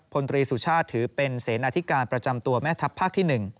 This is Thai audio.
พลตรีสุชาติถือเป็นเสนาธิการประจำตัวแม่ทัพภาคที่๑